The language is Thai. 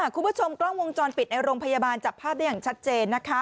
คุณผู้ชมกล้องวงจรปิดในโรงพยาบาลจับภาพได้อย่างชัดเจนนะคะ